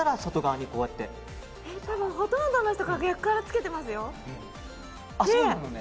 ほとんどの人が逆からつけてますよ。